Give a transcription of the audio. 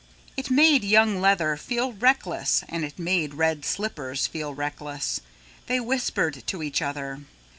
It made Young Leather feel reckless and it made Red Slippers feel reckless. They whispered to each other.